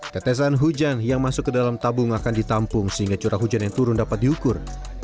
tetesan hujan yang masuk ke dalam tabung akan ditampung sehingga curah hujan yang turun dapat diukur